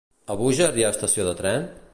A Búger hi ha estació de tren?